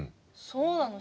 そうなの？